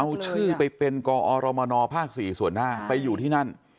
เอาชื่อไปเป็นกอรมนภศ๕ไปอยู่ที่นั่น